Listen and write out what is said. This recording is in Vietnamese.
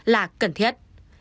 là cần thiết